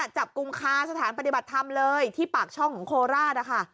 จับกลุ่มคาสถานปฏิบัติธรรมเลยที่ปากช่องของโคราช